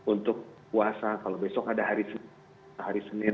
untuk puasa kalau besok ada hari senin